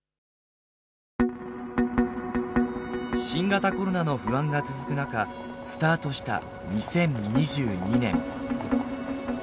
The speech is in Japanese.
新型コロナの不安が続く中スタートした２０２２年。